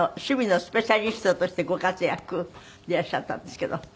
守備のスペシャリストとしてご活躍でいらっしゃったんですけど。